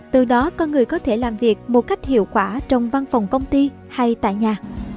từ đó con người có thể làm việc một cách hiệu quả trong văn phòng công ty hay tại nhà